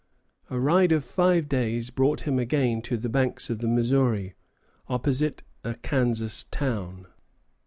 A ride of five days brought him again to the banks of the Missouri, opposite a Kansas town.